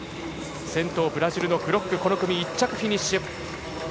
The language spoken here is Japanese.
先頭、ブラジルのグロックこの組１着でフィニッシュ。